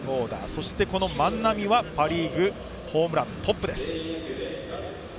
そして万波はパ・リーグホームラントップです。